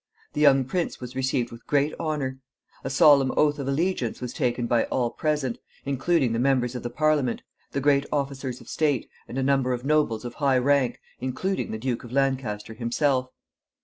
The young prince was received with great honor. A solemn oath of allegiance was taken by all present, including the members of the Parliament, the great officers of state, and a number of nobles of high rank, including the Duke of Lancaster himself.